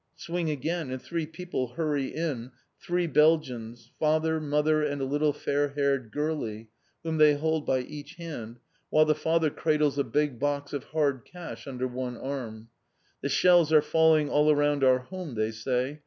Swing again, and three people hurry in, three Belgians, father, mother and a little fair haired girlie, whom they hold by each hand, while the father cradles a big box of hard cash under one arm. "The shells are falling all around our home!" they say.